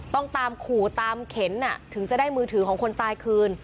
ต้องตามขู่ตามเข็นถึงจะได้มือถือของคนตายคืน